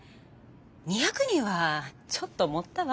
２００人はちょっと盛ったわ。